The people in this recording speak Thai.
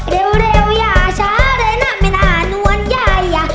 เร็วเร็วยาเช้าเร็วหน้าไม่น้านวันยายา